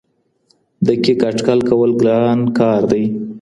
دقيق اټکل کول ګران کار دی.